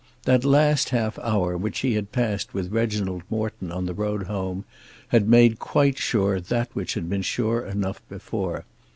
That last half hour which she had passed with Reginald Morton on the road home had made quite sure that which had been sure enough before.